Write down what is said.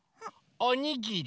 おにぎり。